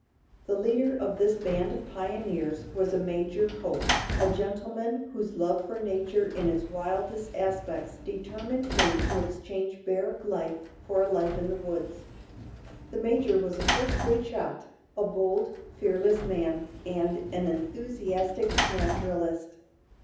The leader of this band of pioneers was a Major Hope, a gentleman whose love for nature in its wildest aspects determined him to exchange barrack life for a life in the woods. The major was a first rate shot, a bold, fearless man, and an enthusiastic naturalist.